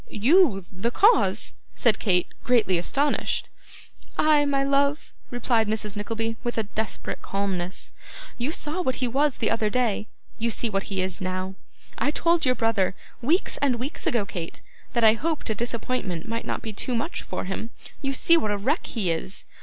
'YOU the cause!' said Kate, greatly astonished. 'I, my love,' replied Mrs. Nickleby, with a desperate calmness. 'You saw what he was the other day; you see what he is now. I told your brother, weeks and weeks ago, Kate, that I hoped a disappointment might not be too much for him. You see what a wreck he is.